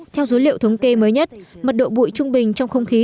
theo dữ liệu thống kê mới nhất mật độ bụi trung bình trong không khí